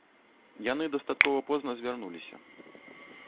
Яны дастаткова позна звярнуліся.